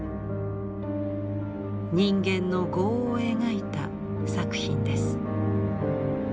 人間の業を描いた作品です。